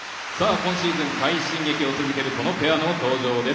今シーズン快進撃を続けるこのペアの登場です。